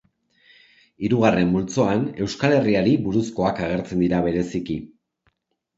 Hirugarren multzoan Euskal Herriari buruzkoak agertzen dira bereziki.